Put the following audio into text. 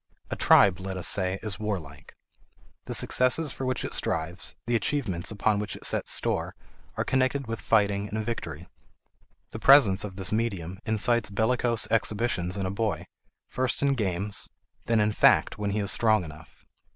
A tribe, let us say, is warlike. The successes for which it strives, the achievements upon which it sets store, are connected with fighting and victory. The presence of this medium incites bellicose exhibitions in a boy, first in games, then in fact when he is strong enough.